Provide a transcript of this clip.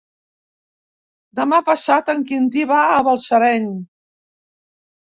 Demà passat en Quintí va a Balsareny.